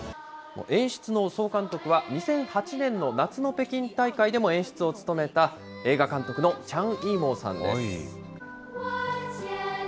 演出の総監督は、２００８年の夏の北京大会でも演出を務めた、映画監督のチャン・イーモウさんです。